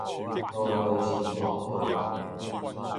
桃花心木道